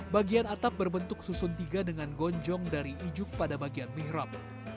bagian atap berbentuk susun tiga dengan gonjong dari ijuk pada bagian mihrab